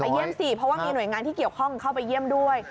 เยี่ยมสิเพราะว่ามีหน่วยงานที่เกี่ยวข้องเข้าไปเยี่ยมด้วย